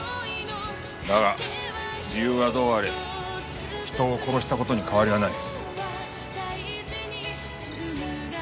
だが理由はどうあれ人を殺した事に変わりはない。